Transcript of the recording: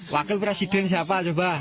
wakil presiden siapa coba